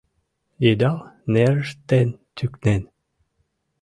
Йыдал нерышт ден тӱкнен